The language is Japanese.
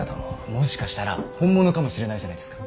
もしかしたら本物かもしれないじゃないですか。